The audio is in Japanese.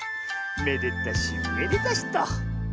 めでたしめでたしと。